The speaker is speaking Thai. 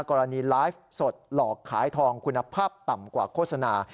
กรณีไลฟ์สดหลอกขายทองคุณภาพต่ำกว่าโฆษณา